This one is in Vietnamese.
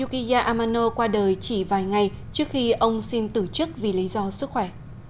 khi ông xin tử chức vì lý do sức khỏe